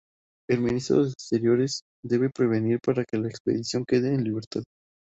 El Ministro de Exteriores debe intervenir para que la expedición quede en libertad.